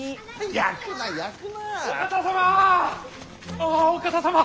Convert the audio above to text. ああお方様！